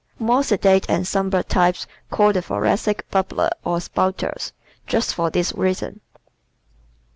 More sedate and somber types call the Thoracics "bubblers" or "spouters" just for this reason.